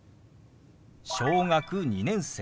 「小学２年生」。